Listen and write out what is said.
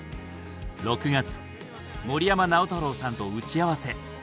６月森山直太朗さんと打ち合わせ。